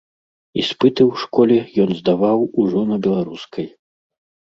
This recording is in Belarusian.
Іспыты ў школе ён здаваў ужо на беларускай.